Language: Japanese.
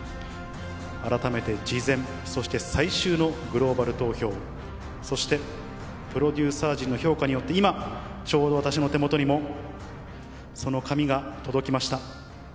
改めて事前、そして最終のグローバル投票、そしてプロデューサー陣の評価によって、今、ちょうど私の手元にもその紙が届きました。